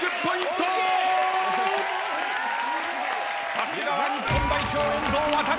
さすがは日本代表遠藤航。